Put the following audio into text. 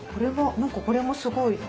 何かこれもすごい。